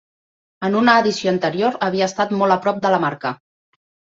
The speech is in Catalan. En una edició anterior havia estat molt a prop de la marca.